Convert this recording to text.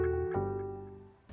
tim liputan cnn indonesia